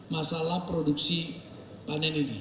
masalah produksi panen ini